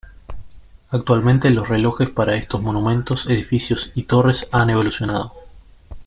Actualmente los relojes para estos monumentos, edificios y torres han evolucionado.